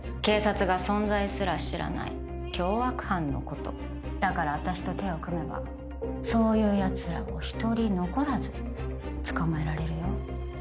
警察が存在すら知らない凶悪犯のことだから私と手を組めばそういうやつらを１人残らず捕まえられるよ